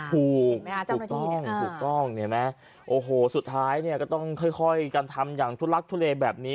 คู่กล้องสุดท้ายก็ต้องค่อยการทำอย่างทุลักทุเลแบบนี้